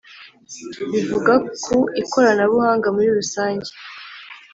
bivuga ku ikoranabuhanga muri rusange.